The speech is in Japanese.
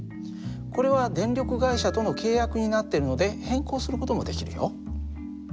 これは電力会社との契約になっているので変更する事もできるよ。